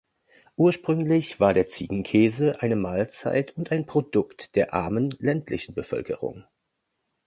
Ursprünglich war der Ziegenkäse eine Mahlzeit und ein Produkt der armen, ländlichen Bevölkerung.